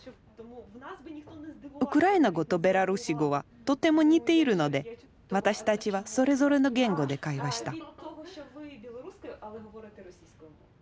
ウクライナ語とベラルーシ語はとても似ているので私たちはそれぞれの言語で会話した。